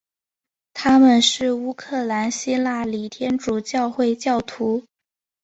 他们是乌克兰希腊礼天主教会教徒。